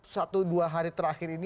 satu dua hari terakhir ini